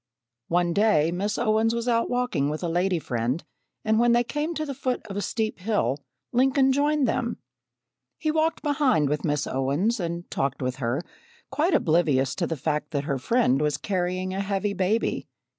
One day Miss Owens was out walking with a lady friend and when they came to the foot of a steep hill, Lincoln joined them. He walked behind with Miss Owens, and talked with her, quite oblivious to the fact that her friend was carrying a heavy baby.